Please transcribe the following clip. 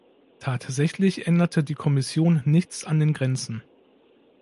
Tatsächlich änderte die Kommission nichts an den Grenzen.